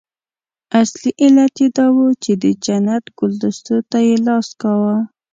اصلي علت یې دا وو چې د جنت ګلدستو ته یې لاس کاوه.